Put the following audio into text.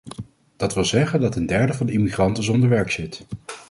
Dat wil zeggen dat een derde van de immigranten zonder werk zit.